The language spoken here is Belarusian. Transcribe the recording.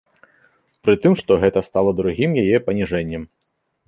Пры тым што гэта стала другім яе паніжэннем.